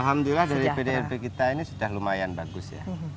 alhamdulillah dari pdrp kita ini sudah lumayan bagus ya